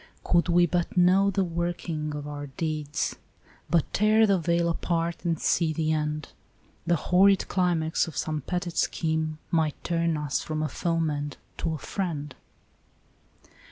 u Could we but know the working of our deeds, But tear the veil apart and see the end. The horrid climax of some petted scheme Might turn us from a foeman to a friend."